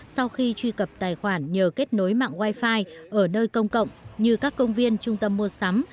sau khi truy cập tài khoản nhờ kết nối mạng wifi ở nơi công cộng như các công viên trung tâm mua sắm